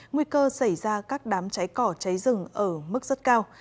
nguy cơ xảy ra các đám cháy cỏ cháy rừng ở mức rất cao